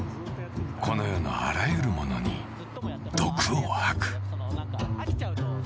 この世のあらゆるものに毒を吐く。